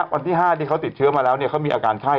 วันที่๕ที่เขาติดเชื้อมาแล้วเขามีอาการไข้